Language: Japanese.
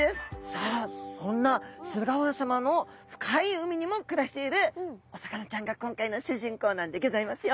さあそんな駿河湾さまの深い海にも暮らしているお魚ちゃんが今回の主人公なんでギョざいますよ。